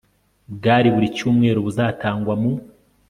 bwa buri cyumweru buzatangwa mu